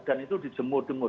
dan itu dijemur jemur